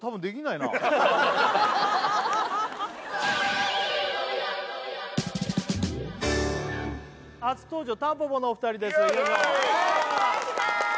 よろしくお願いします！